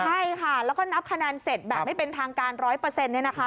ใช่ค่ะแล้วก็นับคะแนนเสร็จแบบให้เป็นทางการร้อยเปอร์เซ็นต์เนี่ยนะคะ